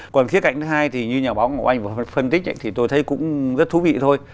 còn khía cạnh thứ hai thì như nhà báo ngọc anh vừa phân tích thì tôi thấy cũng rất thú vị thôi